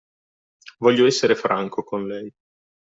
Voglio esser franco con lei.